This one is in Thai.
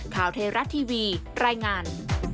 ข่าวเทราะห์ทีวีรายงาน